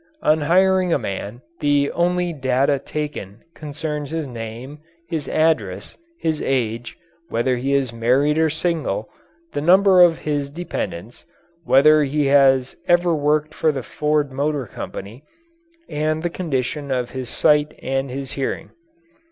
In hiring a man the only data taken concerns his name, his address, his age, whether he is married or single, the number of his dependents, whether he has ever worked for the Ford Motor Company, and the condition of his sight and his hearing.